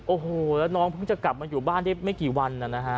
โอ้โหแล้วน้องเพิ่งจะกลับมาอยู่บ้านได้ไม่กี่วันนะฮะ